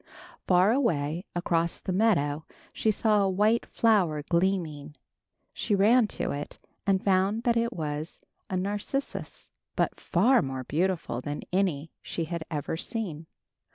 Far away across the meadow she saw a white flower gleaming. She ran to it and found that it was a narcissus, but far more beautiful than any she had ever seen.